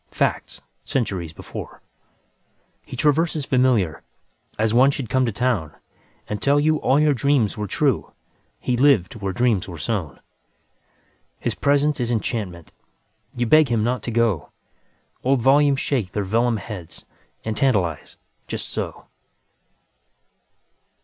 Facts, centuries before, He traverses familiar, As one should come to townAnd tell you all your dreams were true:He lived where dreams were born. His presence is enchantment, You beg him not to go; Old volumes shake their vellum headsAnd tantalize, just so.